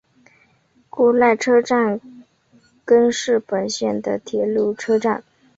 古濑车站根室本线的铁路车站。